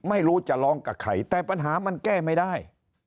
ไม่รู้จะร้องกับใครแต่ปัญหามันแก้ไม่ได้